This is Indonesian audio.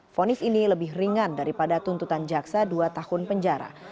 fonis ini lebih ringan daripada tuntutan jaksa dua tahun penjara